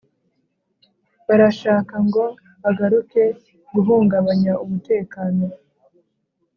barashaka ngo bagaruke guhungabanya umutekano.